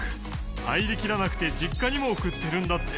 入りきらなくて実家にも送ってるんだって。